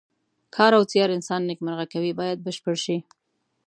کار او زیار انسان نیکمرغه کوي باید بشپړ شي.